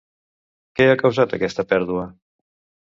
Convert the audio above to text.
Què ha causat aquesta pèrdua?